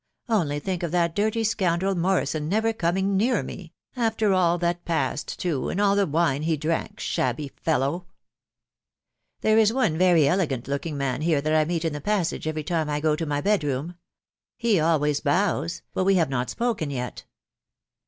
... Only think of that dirty scoundrel Morrison never coming near me .... after all that passed too, and all the wine he drank, shabby fellow !.... There is one very elegant looking man here that I meet in the passage every time I go to my bed room. He always bows, but we have not spoken yet.